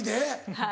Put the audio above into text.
はい。